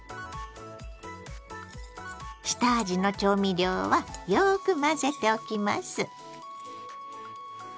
下味の調味料はよく混ぜておきます。